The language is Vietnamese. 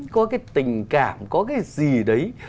có cái tình cảm có cái gì đấy